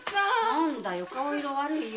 何だよ顔色悪いよ。